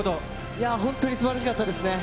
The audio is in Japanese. いやー、本当にすばらしかったですね。